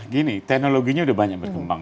gini teknologinya udah banyak berkembang